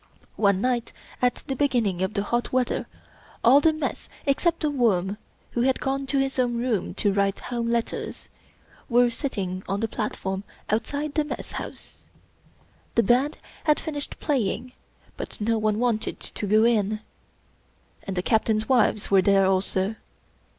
One night, at beginning of the hot weather, all the Mess, except The Worm who had gone to his own room to write Home letters, were sitting on the platform outside the Mess House. The Band had finished playing, but no one wanted to go in. And the Captains' wives were there also.